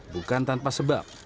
bukan tanpa sebab